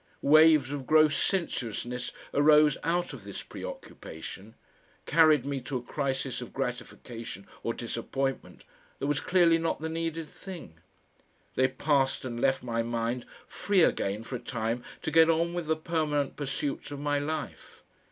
Waves of gross sensuousness arose out of this preoccupation, carried me to a crisis of gratification or disappointment that was clearly not the needed thing; they passed and left my mind free again for a time to get on with the permanent pursuits of my life.